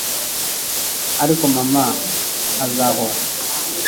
ariko mama azahora